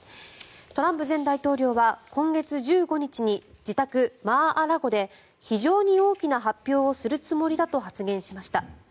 トランプ前大統領は今月１５日に自宅、マー・ア・ラゴで非常に大きな発表をするつもりだと発表しました。